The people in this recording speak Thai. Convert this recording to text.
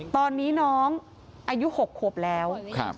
ตอนนี้น้องอายุ๖ขวบแล้ว